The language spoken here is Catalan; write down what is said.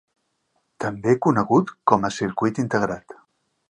També conegut com a circuit integrat.